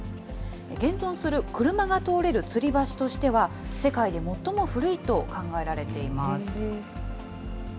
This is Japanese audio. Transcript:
現存する車が通れるつり橋としては、世界で最も古いと考えられています。